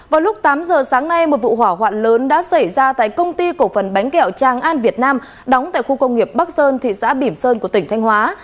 vào lúc tám giờ sáng nay một vụ hỏa hoạn lớn đã xảy ra tại công ty cổ phần bánh kẹo trang an việt nam đóng tại khu công nghiệp bắc sơn thị xã bỉm sơn của tỉnh thanh hóa